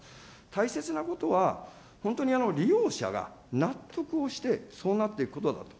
大切なことは、本当に利用者が納得をしてそうなっていくことだと。